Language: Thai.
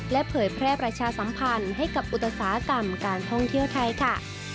และเผยแพร่ประชาสัมพันธ์ให้กับอุตสาหกรรมการท่องเที่ยวไทยค่ะ